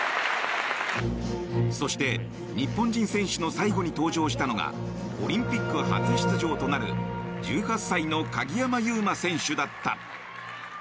そして日本人選手の最後に登場したのがオリンピック初出場となる１８歳の鍵山優真選手だった。